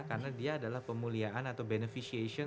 karena dia adalah pemulihaan atau beneficiation